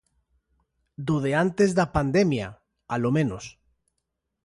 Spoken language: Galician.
Do de antes da pandemia, alomenos.